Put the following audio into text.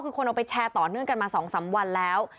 คือคนเอาไปแชร์ต่อเนื่องกันมา๒๓วันแล้ว